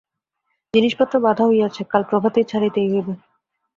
জিনিসপত্র বাঁধা হইয়াছে, কাল প্রভাতেই ছাড়িতেই হইবে।